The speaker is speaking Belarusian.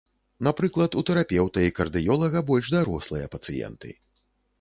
Напрыклад, у тэрапеўта і кардыёлага больш дарослыя пацыенты.